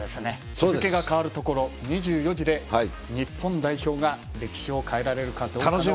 日付が変わるところ、２４時で日本代表が歴史を変えられるかどうかという。